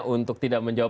untuk tidak menjawab